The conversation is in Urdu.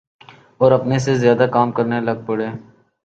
اوراپنے سے زیادہ کام کرنے لگ پڑیں۔